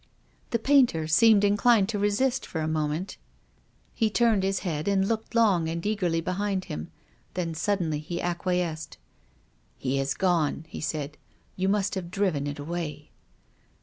The painter seemed in clined to resist for a moment. I Ic turned his head TOO TONGUES OF CONSCIENCE. and looked long and eagerly behind him. Then suddenly he acquiesced. " It has gone," he said. " You have driven it away."